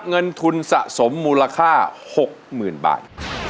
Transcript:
เงินทุนสะสมมูลค่า๖๐๐๐บาท